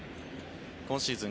今シーズン